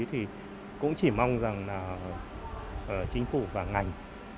thì cũng chỉ mong rằng chính phủ và ngành